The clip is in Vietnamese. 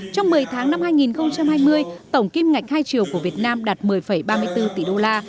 trong một mươi tháng năm hai nghìn hai mươi tổng kim ngạch hai triệu của việt nam đạt một mươi ba mươi bốn tỷ đô la